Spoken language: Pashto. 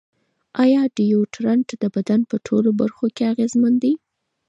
ایا ډیوډرنټ د بدن په ټولو برخو کې اغېزمن دی؟